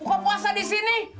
buka puasa di sini